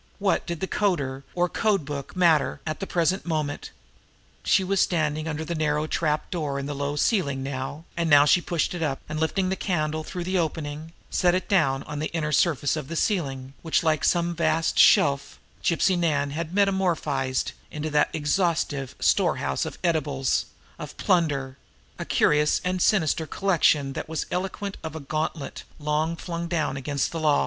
What did a coder or code book, matter at the present moment? She was standing under the narrow trap door in the low ceiling now, and now she pushed it up, and lifting the candle through the opening, set it down on the inner surface of the ceiling, which, like some vast shelf, Gypsy Nan had metamorphosed into that exhaustive storehouse of edibles, of plunder a curious and sinister collection that was eloquent of a gauntlet long flung down against the law.